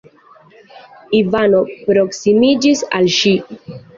Ivano proksimiĝis al ŝi.